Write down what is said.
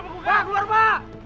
pak keluar pak